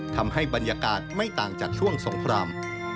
ทำให้บรรยากาศไม่ต่างจากช่วงสงคราม